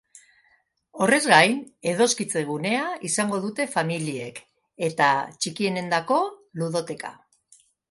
Horrez gain, edoskitze gunea izango dute familiek, eta txikienentzako ludoteka.